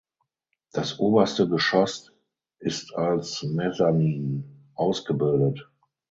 Das oberste Geschoss ist als Mezzanin ausgebildet.